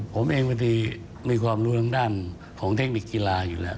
ผมเองบางทีมีความรู้ทางด้านของเทคนิคกีฬาอยู่แล้ว